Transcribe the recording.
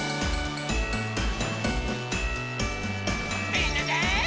みんなで。